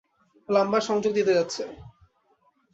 Plumber, সংযোগ দিতে যাচ্ছে।